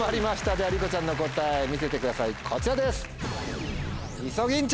ではりこちゃんの答え見せてくださいこちらです！